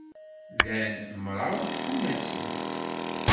Lan mraw n tfunasin.